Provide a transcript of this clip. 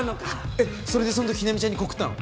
えそれでその時日菜美ちゃんにコクったの？